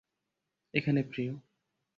এখানে, প্রিয়।